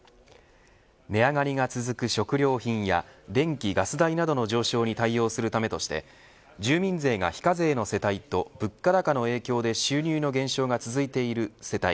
値上がりが続く食料品や電気、ガス代などの上昇に対応するためとして住民税が非課税の世帯と物価高の影響で収入の減少が続いている世帯